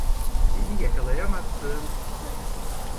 Beni yakalayamazsın!